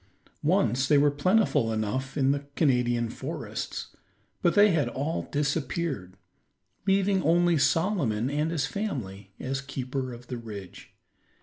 Once they were plentiful enough in the Canadian forests, but they had all disappeared, leaving only Solomon and his family as keeper of the ridge.